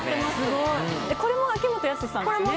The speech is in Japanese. これも秋元康さんですね。